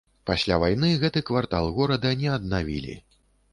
Пасля вайны гэты квартал горада не аднавілі.